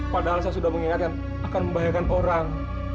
padahal saya sudah mengingatkan akan membahayakan orang